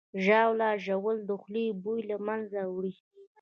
ژاوله ژوول د خولې بوی له منځه وړي.